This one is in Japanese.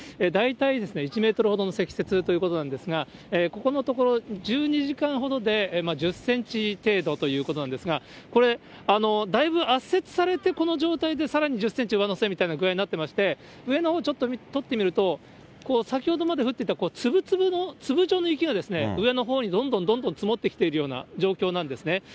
大体１メートルほどの積雪ということなんですが、ここのところ、１２時間ほどで、１０センチ程度ということなんですが、これ、だいぶ圧雪されてこの状態でさらに１０センチ上乗せみたいな具合になってまして、上のほうちょっと取ってみると、先ほどまで降ってた粒々の、粒状の雪が上のほうにどんどんどんどん積もってきているような状況なんですね。